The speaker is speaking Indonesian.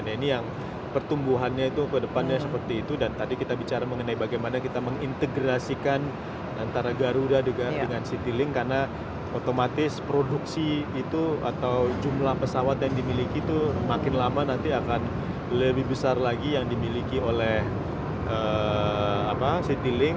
nah ini yang pertumbuhannya itu kedepannya seperti itu dan tadi kita bicara mengenai bagaimana kita mengintegrasikan antara garuda dengan citylink karena otomatis produksi itu atau jumlah pesawat yang dimiliki itu makin lama nanti akan lebih besar lagi yang dimiliki oleh citylink